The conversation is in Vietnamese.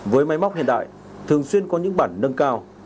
với máy móc hiện đại thường xuyên có những bản nâng cao